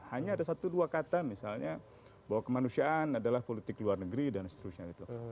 hanya ada satu dua kata misalnya bahwa kemanusiaan adalah politik luar negeri dan seterusnya gitu